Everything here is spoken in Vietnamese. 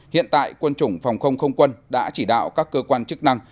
hiện tại quân chủng phòng không không quân đã chỉ đạo các cơ quan chức năng